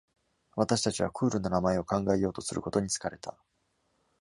私たちはクールな名前を考えようとすることに疲れた。